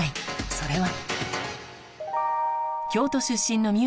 それは